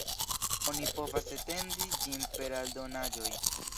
Oni povas etendi ĝin per aldonaĵoj.